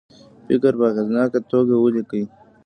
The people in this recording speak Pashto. فکر په اغیزناکه توګه ولیکي.